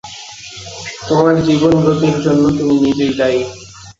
তোমার জীবন-গতির জন্য তুমি নিজেই দায়ী।